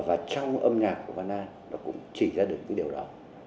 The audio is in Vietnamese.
và trong âm nhạc của văn an nó cũng chỉ ra được cái điều đó